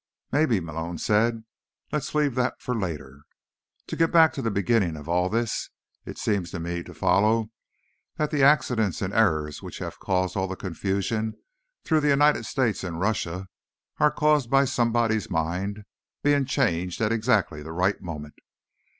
"Maybe," Malone said. "Let's leave that for later. To get back to the beginning of all this: it seems to me to follow that the accidents and errors which have caused all the confusion through the United States and Russia are caused by somebody's mind being changed at exactly the right moment.